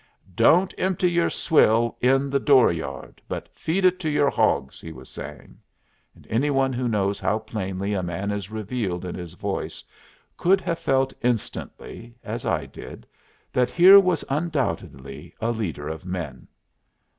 "Don't empty your swill in the door yard, but feed it to your hogs," he was saying; and any one who knows how plainly a man is revealed in his voice could have felt instantly, as I did, that here was undoubtedly a leader of men.